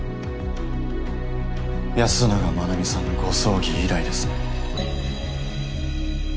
安永真奈美さんのご葬儀以来ですね。